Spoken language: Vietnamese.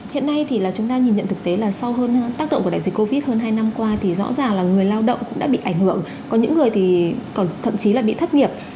hiện nay thì là chúng ta nhìn nhận thực tế là sau hơn tác động của đại dịch covid hơn hai năm qua thì rõ ràng là người lao động cũng đã bị ảnh hưởng có những người thì thậm chí là bị thất nghiệp